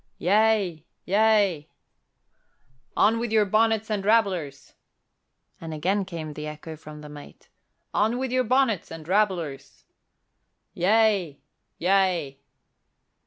"Yea, yea!" "On with your bonnets and drabblers!" And again came the echo from the mate, "On with your bonnets and drabblers!" "Yea, yea!"